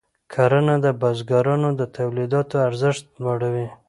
کرنه د بزګرانو د تولیداتو ارزښت لوړوي.